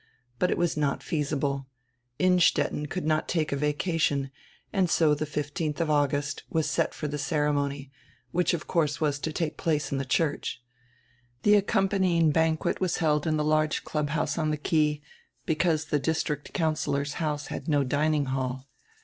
But it was not feasible. Innstetten could not take a vacation and so die 15th of August was set for die ceremony, which of course was to take place in die church. The accompanying ban quet was held in die large clubhouse on die quay, because die district councillor's house had no dining hall.